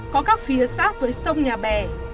có các phía sát với sông nhà bè